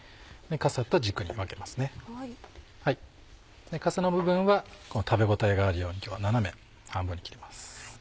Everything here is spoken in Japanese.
かさの部分は食べ応えがあるように今日は斜め半分に切ります。